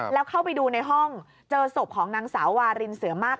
แล้วเข้าไปดูในห้องเจอศพของนางสาววารินเสือมาก